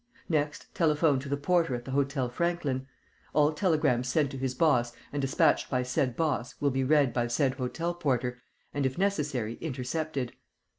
Next, telephone to the porter at the Hôtel Franklin. All telegrams sent to his boss and dispatched by said boss will be read by said hotel porter and, if necessary, intercepted.